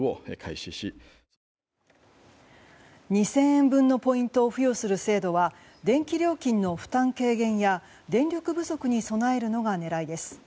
２０００円分のポイントを付与する制度は電気料金の負担軽減や電力不足に備えるのが狙いです。